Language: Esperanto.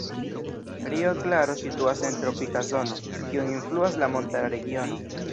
Rio Claro situas en tropika zono, kiun influas la montara regiono.